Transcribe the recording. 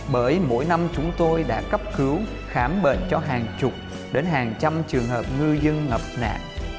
bởi mỗi năm chúng tôi đã cấp cứu khám bệnh cho hàng chục đến hàng trăm trường hợp ngư dân ngập nạn